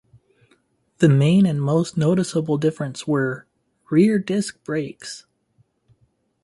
The main and most noticeable difference were rear disc brakes.